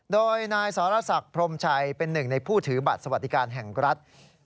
โดยนายสรษักพรมชัยเป็นหนึ่งในผู้ถือบัตรสวัสดิการแห่งรัฐ